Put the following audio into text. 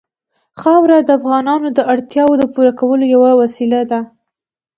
خاوره د افغانانو د اړتیاوو د پوره کولو یوه وسیله ده.